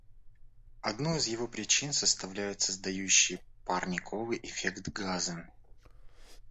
Одну из его причин составляют создающие парниковый эффект газы.